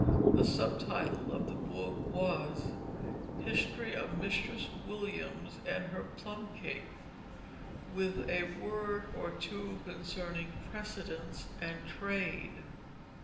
The sub title of the book was History of Mistress Williams, and her Plumb Cake; With a Word or Two Concerning Precedency and Trade.